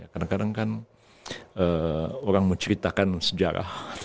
kadang kadang kan orang menceritakan sejarah